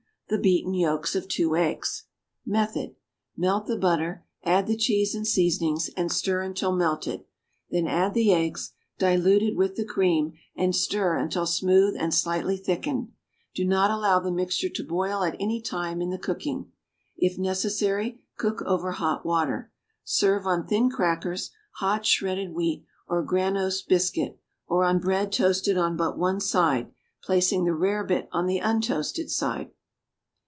The beaten yolks of 2 eggs. Method. Melt the butter, add the cheese and seasonings, and stir until melted; then add the eggs, diluted with the cream, and stir until smooth and slightly thickened. Do not allow the mixture to boil at any time in the cooking; if necessary, cook over hot water. Serve on thin crackers, hot shredded wheat or granose biscuit, or on bread toasted on but one side, placing the rarebit on the untoasted side.